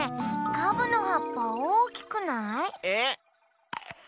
カブのはっぱおおきくない？え？